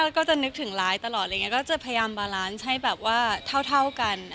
ก็จะนึกถึงไลฟ์ตลอดอะไรอย่างนี้ก็จะพยายามบาลานซ์ให้แบบว่าเท่ากัน